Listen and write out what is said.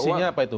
isinya apa itu